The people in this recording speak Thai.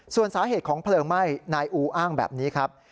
ส่วนสาเหตุของเพลิงไหม้นายอูอ้างแบบนี้ครับ